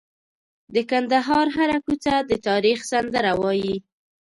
د کندهار هره کوڅه د تاریخ سندره وایي.